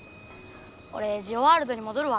おれジオワールドにもどるわ。